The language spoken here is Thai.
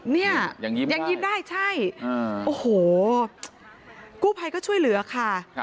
เนี่ยยังยิ้มได้ใช่โอ้โหกู้ภัยก็ช่วยเหลือค่ะ